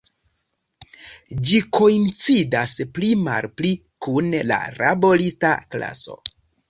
Ĝi koincidas pli malpli kun la laborista klaso.